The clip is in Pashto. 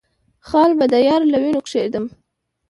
خال به د يار له وينو کېږدم